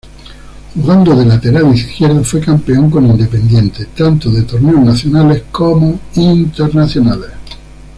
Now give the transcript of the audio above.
Jugando de lateral izquierdo fue campeón con Independiente, tanto de torneos nacionales como internacionales.